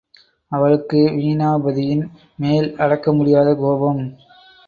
அவளுக்கு வீணாபதியின் மேல் அடக்க முடியாத கோபம்.